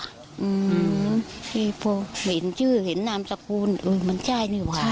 ไม่เห็นชื่อเห็นนามสคุณมันใช่หรือว่ะ